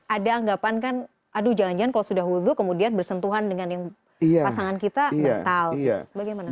ada anggapan kan aduh jangan jangan kalau sudah hulu kemudian bersentuhan dengan yang pasangan kita mental bagaimana